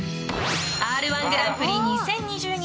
「Ｒ‐１グランプリ」２０２２